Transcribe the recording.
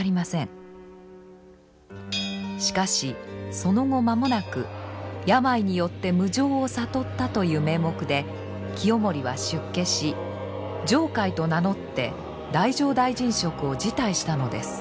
しかしその後間もなく病によって無常を悟ったという名目で清盛は出家し浄海と名乗って太政大臣職を辞退したのです。